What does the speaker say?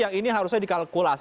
yang ini harusnya dikalkulasi